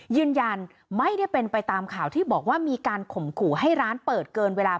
ยืนยันไม่ได้เป็นไปตามข่าวที่บอกว่ามีการข่มขู่ให้ร้านเปิดเกินเวลา